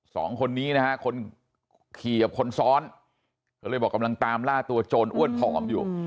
สองคนนี้นะฮะคนขี่กับคนซ้อนก็เลยบอกกำลังตามล่าตัวโจรอ้วนผอมอยู่